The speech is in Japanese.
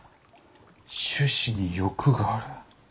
種子に翼がある。